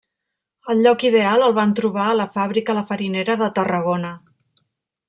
El lloc ideal el van trobar a la fàbrica La Farinera de Tarragona.